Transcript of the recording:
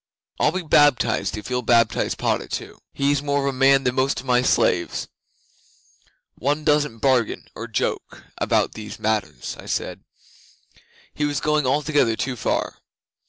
I'll be baptized if you'll baptize Padda too. He's more of a man than most of my slaves." '"One doesn't bargain or joke about these matters," I said. He was going altogether too far.